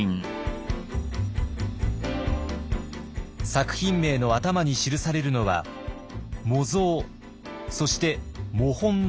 作品名の頭に記されるのは「模造」そして「摸本」の文字。